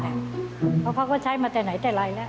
เพราะเขาก็ใช้มาแต่ไหนแต่ไรแล้ว